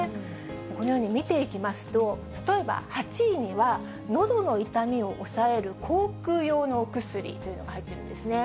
このように、見ていきますと、例えば８位には、のどの痛みを抑える口くう用のお薬というのが入っているんですね。